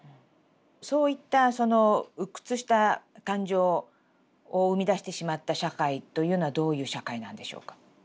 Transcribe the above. そういったその鬱屈した感情を生み出してしまった社会というのはどういう社会なんでしょうか？